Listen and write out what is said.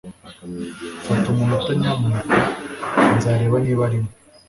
Fata umunota, nyamuneka. Nzareba niba arimo.